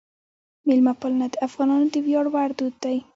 میلمهپالنه د افغانانو د ویاړ وړ دود دی.